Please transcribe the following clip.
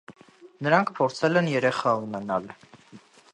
Նրանք փորձել են երեխա ունենալ։